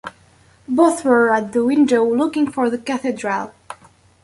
Both were at the window looking for the cathedral.